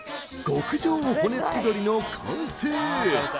極上骨付鳥の完成！